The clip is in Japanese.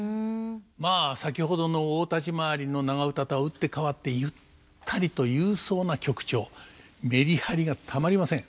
まあ先ほどの大立ち回りの長唄とは打って変わってメリハリがたまりません。